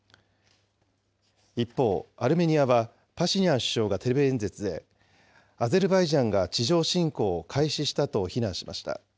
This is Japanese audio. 一方、アルメニアはパシニャン首相がテレビ演説で、アゼルバイジャンが地上侵攻を開始したと非難しました。